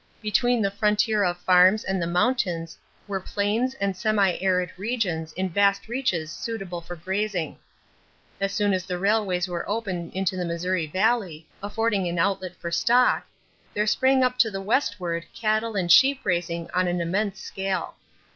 = Between the frontier of farms and the mountains were plains and semi arid regions in vast reaches suitable for grazing. As soon as the railways were open into the Missouri Valley, affording an outlet for stock, there sprang up to the westward cattle and sheep raising on an immense scale.